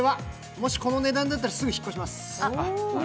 もしこの値段だったら、すぐ引っ越します。